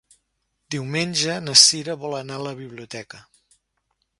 Diumenge na Cira vol anar a la biblioteca.